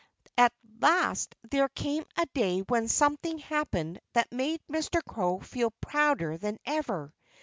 At last there came a day when something happened that made Mr. Crow feel prouder than ever.